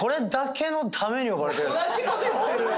同じこと言ってる。